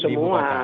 saya setuju semua